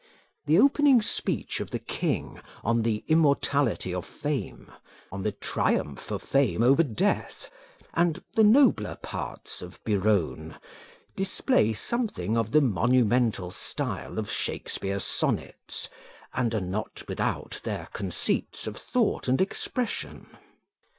The opening speech of the king on the immortality of fame on the triumph of fame over death and the nobler parts of Biron, display something of the monumental style of Shakespeare's Sonnets, and are not without their concerts of thought and expression.